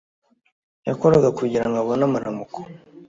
yakoraga kugirango abone amaramuko